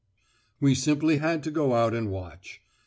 We simply had to go out and watch.